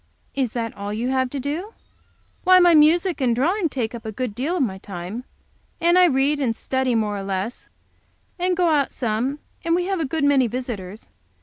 "Is that all you have to do?" "Why, my music and drawing take up a good deal of my time, and I read and study more or less, and go out some, and we have a good many visitors."